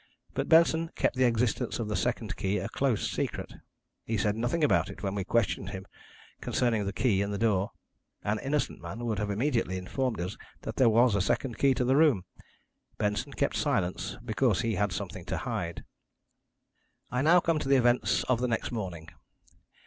But Benson kept the existence of the second key a close secret. He said nothing about it when we questioned him concerning the key in the door. An innocent man would have immediately informed us that there was a second key to the room. Benson kept silence because he had something to hide. "I now come to the events of the next morning.